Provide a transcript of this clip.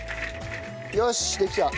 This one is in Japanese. よしできた。